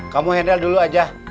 kamu hendal dulu aja